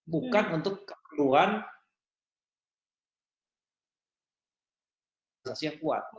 bukan untuk keperluan investasi yang kuat